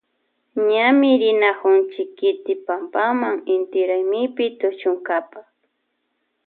Ñami rinakunchi kiti pampama inti raymipi tushunkapa.